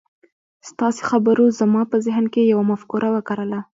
ستاسې خبرو زما په ذهن کې يوه مفکوره وکرله.